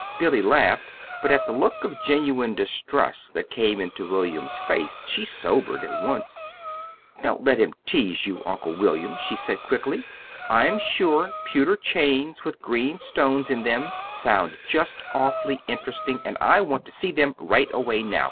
Billy laughed; but at the look of genuine distress that came into William's face, she sobered at once. "Don't you let him tease you, Uncle William," she said quickly. "I'm sure pewter chains with green stones in them sound just awfully interesting, and I want to see them right away now.